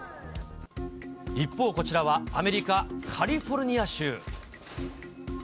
一方、こちらはアメリカ・カリフォルニア州。